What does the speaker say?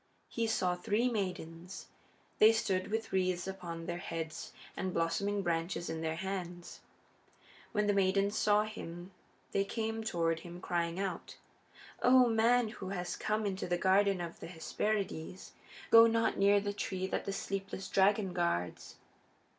He saw three maidens. They stood with wreaths upon their heads and blossoming branches in their hands. When the maidens saw him they came toward him crying out: "O man who has come into the Garden of the Hesperides, go not near the tree that the sleepless dragon guards!"